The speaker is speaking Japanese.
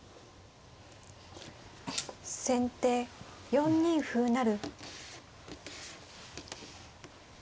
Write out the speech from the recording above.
先手４二歩成。